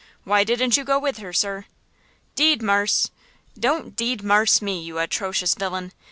Why didn't you go with her, sir?" "Deed, marse–" "Don't 'deed marse' me you atrocious villain!